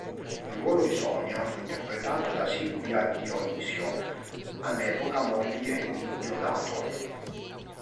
Il ruolo di Sonia fu interpretato da Silvia Dionisio, all'epoca moglie di Deodato.